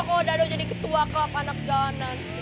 kalau dado jadi ketua klub anak jalanan